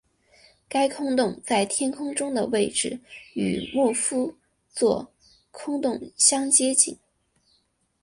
该空洞在天空中的位置与牧夫座空洞相接近。